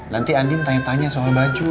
nanti andin tanya tanya soal baju